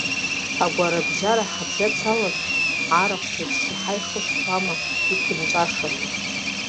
Агәарабжьара ҳабжьацаланы, арахә реиԥш иҳаихсуама иқәынҵәаша?